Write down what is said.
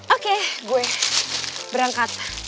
oke gue berangkat